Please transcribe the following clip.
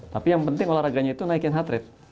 tapi yang penting olahraganya itu naikin heart rate